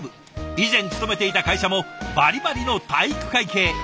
以前勤めていた会社もバリバリの体育会系。